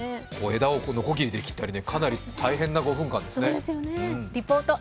枝をのこぎりで切ったりかなり大変な５分間ですね。